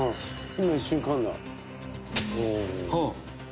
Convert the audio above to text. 「今一瞬噛んだ」